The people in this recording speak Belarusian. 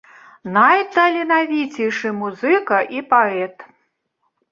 Найталенавіцейшы музыка і паэт.